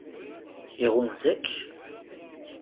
Iɣunza-k?